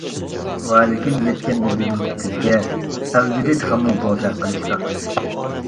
ۋە لېكىن يەتكەندە بۈگۈنكى كۈنگە، ئەۋجىدى تېخىمۇ بوزەك قىلىشلار.